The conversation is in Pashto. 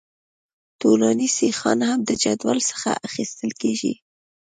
طولاني سیخان هم د جدول څخه اخیستل کیږي